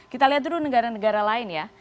kita lihat dulu negara negara lain ya